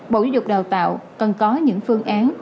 bộ y tục đào tạo cần có những phương án